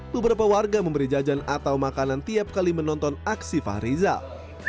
beberapa warga memberi jajan atau makanan tiap kali menonton aksi fahrizal